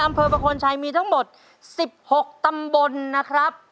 อำเภอประคลชัยมีทั้งหมด๑๖ตำบลนะครับ